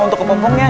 untuk ke pongpongnya